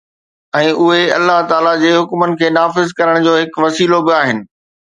۽ اهي الله تعاليٰ جي حڪمن کي نافذ ڪرڻ جو هڪ وسيلو به آهن